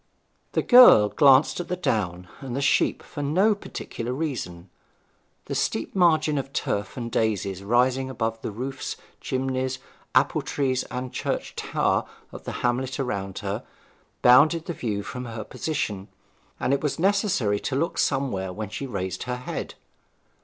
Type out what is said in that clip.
The girl glanced at the down and the sheep for no particular reason; the steep margin of turf and daisies rising above the roofs, chimneys, apple trees, and church tower of the hamlet around her, bounded the view from her position, and it was necessary to look somewhere when she raised her head.